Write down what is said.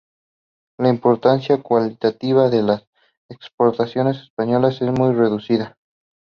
La importancia cuantitativa de las exportaciones españolas es muy reducida.